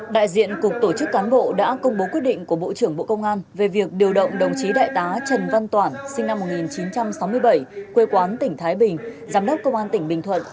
đại diện cục tổ chức cán bộ đã công bố quyết định của bộ trưởng bộ công an về việc điều động đồng chí đại tá trần văn toản sinh năm một nghìn chín trăm sáu mươi bảy quê quán tỉnh thái bình giám đốc công an tỉnh bình thuận